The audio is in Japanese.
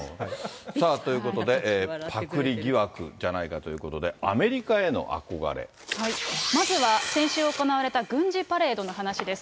さあということで、パクリ疑惑じゃないかということで、まずは先週行われた軍事パレードの話です。